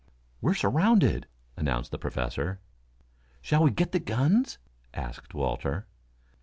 "We're surrounded," announced the Professor. "Shall we get the guns?" asked Walter.